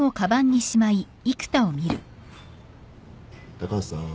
高橋さん。